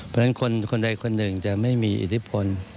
เพราะฉะนั้นคนใดคนหนึ่งจะไม่มีอิทธิพล